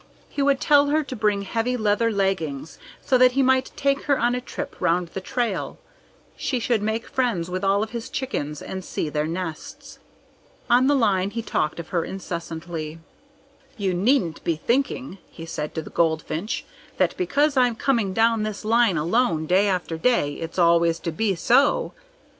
He would tell her to bring heavy leather leggings, so that he might take her on a trip around the trail. She should make friends with all of his chickens and see their nests. On the line he talked of her incessantly. "You needn't be thinking," he said to the goldfinch, "that because I'm coming down this line alone day after day, it's always to be so.